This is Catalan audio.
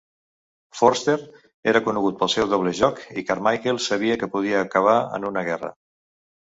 Forster era conegut pel seu doble joc i Carmichael sabia que podia acabar en una guerra.